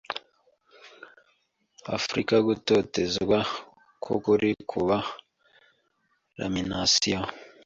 Afrika Gutotezwa kwukuri Kubwa lamination